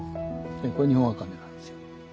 これ日本茜なんですよ。